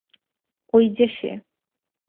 ওই যে সে।